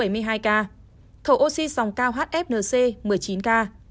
thở oxy dòng cao hfnc một mươi chín ca